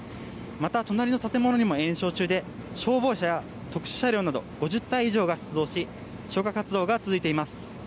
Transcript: また、隣の建物にも延焼中で消防車や特殊車両など５０台以上が出動し消火活動が続いています。